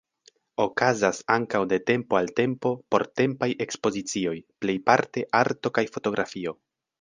Okazas ankaŭ de tempo al tempo portempaj ekspozicioj, plejparte arto kaj fotografio.